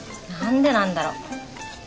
何でなんだろう？